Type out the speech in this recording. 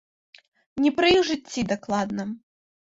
Не пры іх жыцці дакладна.